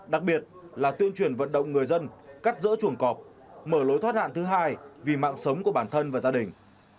đặc biệt là tuyên truyền vận động người dân cắt rỡ chuồng cọp mở lối thoát hạn thứ hai vì mạng sống của bản thân và gia đình